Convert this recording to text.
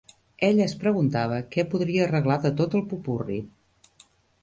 Ella es preguntava què podria arreglar de tot el popurri.